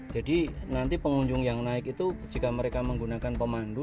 jadi nanti pengunjung yang naik itu jika mereka menggunakan pemandu